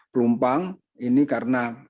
pelumpang ini karena